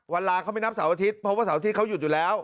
ลาเขาไม่นับเสาร์อาทิตย์เพราะว่าเสาร์อาทิตย์เขาหยุดอยู่แล้ว